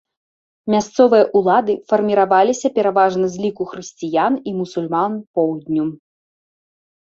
Мясцовыя ўлады фарміраваліся пераважна з ліку хрысціян і мусульман поўдню.